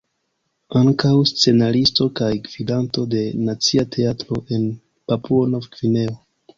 Ankaŭ scenaristo kaj gvidanto de Nacia Teatro en Papuo-Nov-Gvineo.